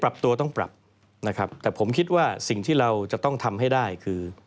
ปรับตัวต้องปรับนะครับแต่ผมคิดว่าสิ่งที่เราจะต้องทำให้ได้คือ